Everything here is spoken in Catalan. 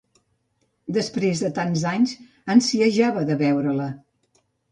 Després de tants anys, ansiejava de veure-la.